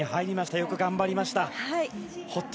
よく頑張りました。